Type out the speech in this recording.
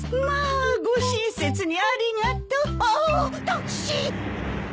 まあご親切にありがとう。